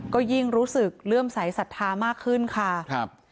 ก็ยิ่งรู้สึกเลื่อมใสสัทธามากขึ้นค่ะครับ